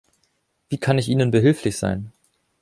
Wie kann ich ihnen behilflich sein?